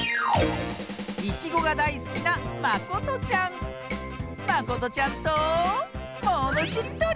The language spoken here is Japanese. いちごがだいすきなまことちゃんとものしりとり！